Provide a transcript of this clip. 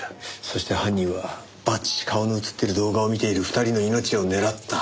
そして犯人はばっちし顔の映ってる動画を見ている２人の命を狙った！